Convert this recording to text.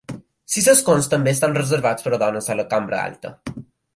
Sis escons també estan reservats per a dones a la cambra alta.